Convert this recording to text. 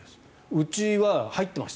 うちは入ってました。